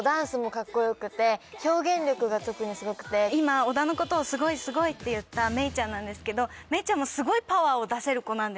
今小田のことを「すごいすごい」って言った愛生ちゃんなんですけど愛生ちゃんもすごいパワーを出せる子なんですよ。